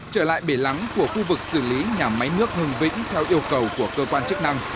trở lại bể lắng của khu vực xử lý nhà máy nước hưng vĩnh theo yêu cầu của cơ quan chức năng